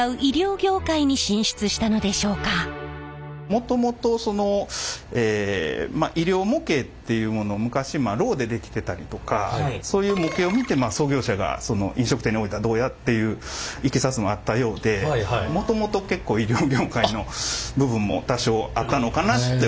もともとその医療模型っていうものを昔ロウで出来てたりとかそういう模型を見てまあ創業者が飲食店に置いたらどうやっていういきさつもあったようでもともと結構医療業界の部分も多少あったのかなって